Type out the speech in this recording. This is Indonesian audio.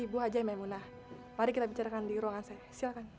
ibu ajai maimunah mari kita bicarakan di ruangan saya silahkan